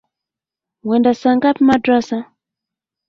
Wenda saa ngapi madrassa?